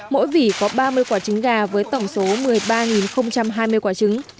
mỗi vỉ có ba mươi quả trứng gà với tổng số một mươi ba hai mươi quả trứng